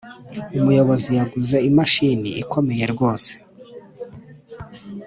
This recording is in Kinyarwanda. umuyobozi yaguze imashini ikomeye rwose.